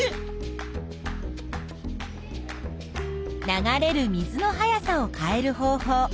流れる水の速さを変える方法